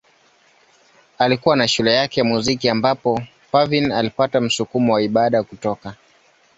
Alikuwa na shule yake ya muziki ambapo Parveen alipata msukumo wa ibada kutoka.